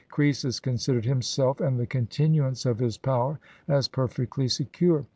Croesus considered himself and the continuance of his power as perfectly secure.